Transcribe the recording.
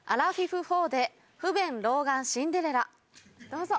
どうぞ。